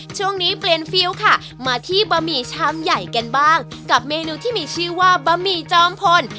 ช่วงนี้เปลี่ยนฟิลล์ค่ะมาที่บะหมี่ชามใหญ่กันบ้างกับเมนูที่มีชื่อว่าบะหมี่จอมพล